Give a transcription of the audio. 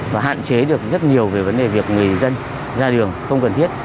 và hạn chế được rất nhiều về vấn đề việc người dân ra đường không cần thiết